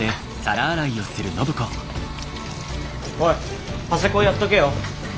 おいパセコンやっとけよ。